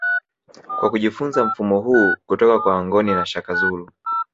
Kwa kujifunza mfumo huu kutoka kwa Wangoni na Shaka Zulu